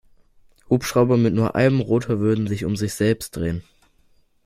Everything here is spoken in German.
Hubschrauber mit nur einem Rotor würden sich um sich selbst drehen.